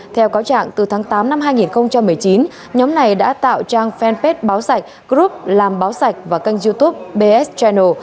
theo cáo trạng từ tháng tám năm hai nghìn một mươi chín nhóm này đã tạo trang fanpage báo sạch group làm báo sạch và kênh youtube bs chinal